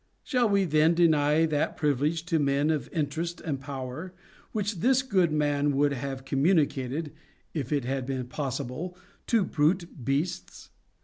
Shall we then deny that privilege to men of interest and power, which this good man would have communicated (if it had been possible) to the brute beasts